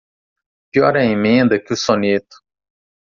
Pior a emenda que o soneto.